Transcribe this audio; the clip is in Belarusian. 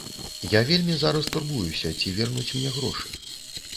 Я вельмі зараз турбуюся, ці вернуць мне грошы.